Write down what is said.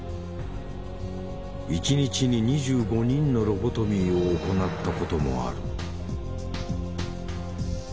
一日に２５人のロボトミーを行ったこともある。